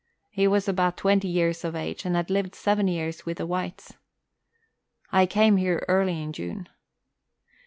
He was about twenty years of age, and had lived seven years with the whites. I came here early in June.